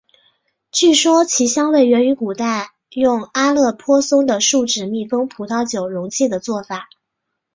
据说其香味源于古代用阿勒颇松的树脂密封葡萄酒容器的做法。